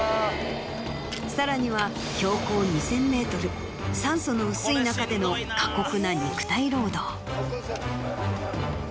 さらには標高２０００ｍ酸素の薄い中での過酷な肉体労働。